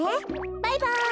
バイバイ！